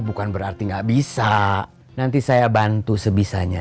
bukan berarti gak bisa nanti saya bantu sebisanya